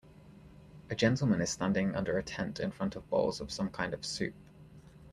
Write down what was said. A gentleman is standing under a tent in front of bowls of some kind of soup.